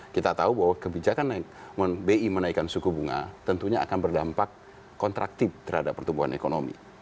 kita tahu bahwa kebijakan bi menaikkan suku bunga tentunya akan berdampak kontraktif terhadap pertumbuhan ekonomi